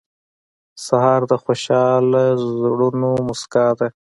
سهار د خوشحال زړونو موسکا ده.